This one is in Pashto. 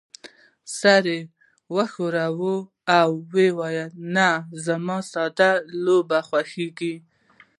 سر يې وښوراوه او وې ویل: نه، زما ساده لوبې خوښېږي.